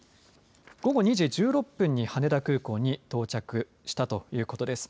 午後２時１６分に羽田空港に到着したということです。